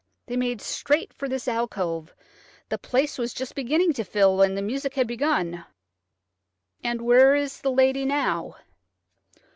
They made straight for this alcove. The place was just beginning to fill, and the music had begun." "And where is the lady now?"